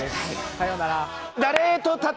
さようなら。